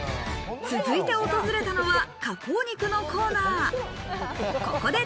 続いて訪れたのは加工肉のコーナー。